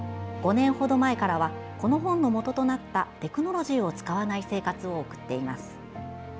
５年ほど前からはこの本のもととなったテクノロジーを使わない生活を送っています。